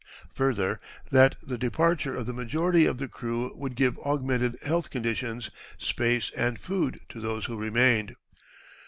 Further, that the departure of the majority of the crew would give augmented health conditions, space, and food to those who remained.